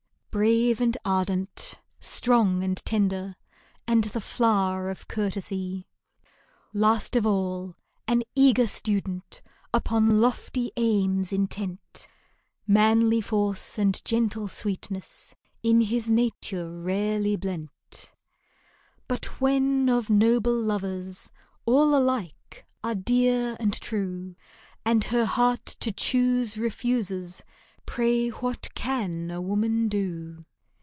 Brave and ardent, strong and tender, And the flower of courtesie. Last of all, an eager student, Upon lofty aims intent : Manly force and gentle sweetness In his nature rarelv blent. MY LOVERS 185 But when of noble lovers All alike are dear and true, And her heart to choose refuses, Pray, what can a woman do